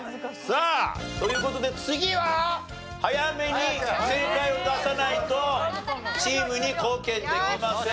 さあという事で次は早めに正解を出さないとチームに貢献できません。